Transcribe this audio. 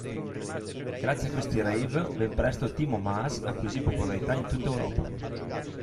Grazie a questi Rave, ben presto Timo Maas acquisì popolarità in tutta Europa.